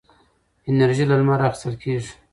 انرژي له لمره اخېستل کېږي.